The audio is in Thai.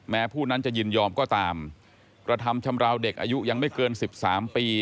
แม้ผู้นั้นจะยินยอมก็ตามกระทำชำราวเด็กอายุยังไม่เกินสิบสามปี